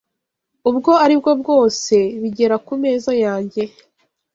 ubwo aribwo bwose bigera ku meza yanjye